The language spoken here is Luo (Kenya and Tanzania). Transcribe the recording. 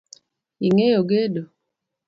Ing’eyo gedo?